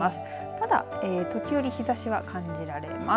ただ時折日ざしが感じられます。